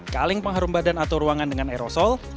kaleng pengharum badan atau ruangan dengan aerosol